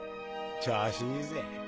調子いいぜ。